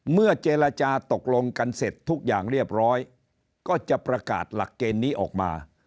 เมื่อเจรจาตกลงกันเสร็จทุกอย่างเรียบร้อยก็จะประกาศหลักเกณฑ์นี้ออกมา